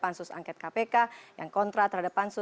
assalamualaikum wr wb